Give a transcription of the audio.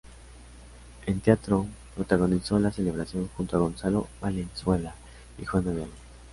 En teatro protagonizó "La celebración" junto a Gonzalo Valenzuela y Juana Viale.